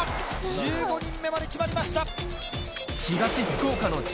１５人目まで決まりました。